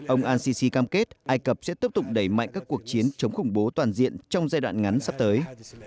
ông al sisi cam kết ai cập sẽ tiếp tục đẩy mạnh các cuộc chiến chống khủng bố toàn diện trong giai đoạn ngắn sắp tới